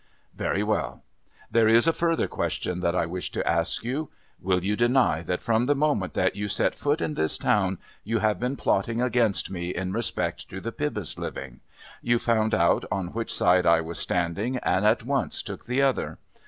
"Very well. There is a further question that I wish to ask you. Will you deny that from the moment that you set foot in this town you have been plotting against me in respect to the Pybus living? You found out on which side I was standing and at once took the other.